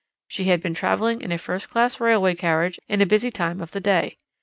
She had been travelling in a first class railway carriage in a busy time of the day.